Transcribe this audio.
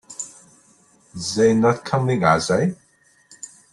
They're not coming, are they?